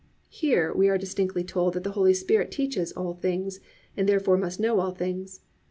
"+ Here we are distinctly told that the Holy Spirit teaches all things, and therefore must know all things.